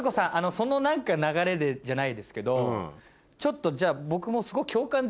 その流れでじゃないですけどちょっとじゃあ僕も。